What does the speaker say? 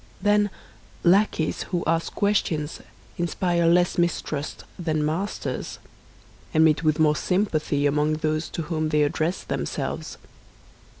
Then, lackeys who ask questions inspire less mistrust than masters, and meet with more sympathy among those to whom they address themselves.